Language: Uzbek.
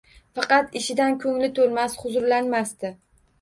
Faqat ishidan ko'ngli to'lmas, xuzurlanmasdi.